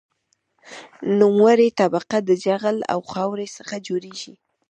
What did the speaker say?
نوموړې طبقه د جغل او خاورې څخه جوړیږي